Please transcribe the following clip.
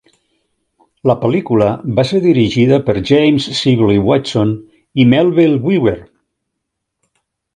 La pel·lícula va ser dirigida per James Sibley Watson i Melville Webber.